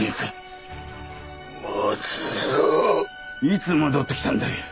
いつ戻ってきたんだよ？